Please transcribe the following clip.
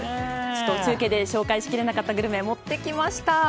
中継で紹介しきれなかったグルメ持ってきました。